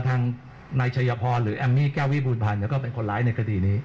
ทางนายชัยพรหรือแอมมี่แก้ววิบูรพันธ์ก็เป็นคนร้ายในคดีนี้